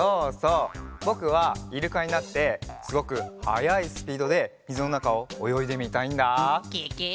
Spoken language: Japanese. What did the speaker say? ぼくはイルカになってすごくはやいスピードでみずのなかをおよいでみたいんだ！